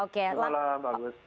selamat malam pak agus